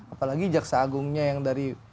apalagi jaksa agungnya yang dari